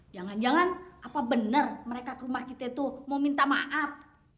jangan jangan apa benar mereka ke rumah kita itu mau minta maaf